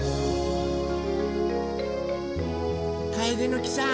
カエデの木さん